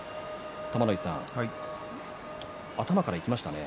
玉ノ井さん頭からいきましたね。